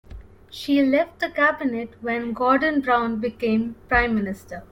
She left the Cabinet when Gordon Brown became Prime Minister.